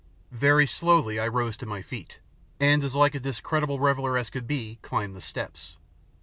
Very slowly I rose to my feet, and as like a discreditable reveller as could be, climbed the steps.